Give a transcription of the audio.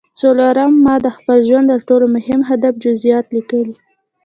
څلورم ما د خپل ژوند د تر ټولو مهم هدف جزييات ليکلي.